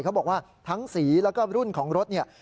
เขาบอกว่าทั้งสีแล้วก็รุ่นของรถเนี่ย